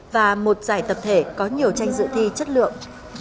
và một giải tập thể có nhiều tranh dự thi chất lượng